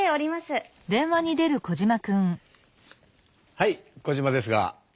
はいコジマですが。